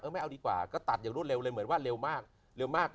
ไม่เอาดีกว่าก็ตัดอย่างรวดเร็วเลยเหมือนว่าเร็วมากเร็วมาก